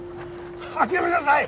諦めなさい！